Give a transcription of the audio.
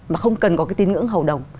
mà không cần có cái tín ngưỡng hầu đồng